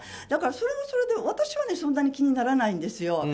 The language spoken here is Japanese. だから、それはそれで私はそんなに気にならないんですよ。